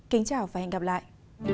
kính chào và hẹn gặp lại